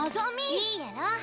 いいやろ？